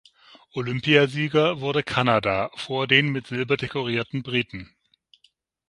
Olympiasieger wurde Kanada vor den mit Silber dekorierten Briten.